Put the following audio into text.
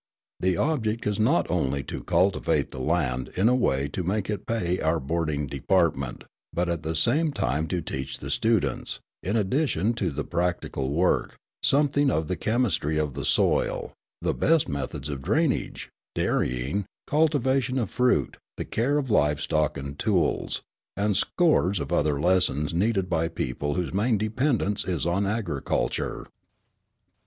The object is not only to cultivate the land in a way to make it pay our boarding department, but at the same time to teach the students, in addition to the practical work, something of the chemistry of the soil, the best methods of drainage, dairying, cultivation of fruit, the care of live stock and tools, and scores of other lessons needed by people whose main dependence is on agriculture.